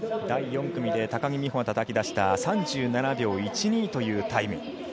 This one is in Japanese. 第４組で高木美帆がたたき出した３７秒１２というタイム。